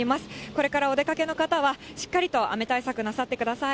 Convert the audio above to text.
これからお出かけの方は、しっかりと雨対策なさってください。